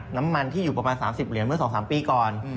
น้ำมันที่อยู่ประมาณ๓๐เหรียญเมื่อ๒๓ปีก่อน